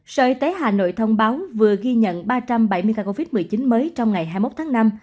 sở y tế hà nội thông báo vừa ghi nhận ba trăm bảy mươi ca covid một mươi chín mới trong ngày hai mươi một tháng năm